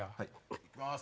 行きます。